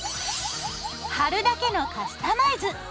貼るだけのカスタマイズ！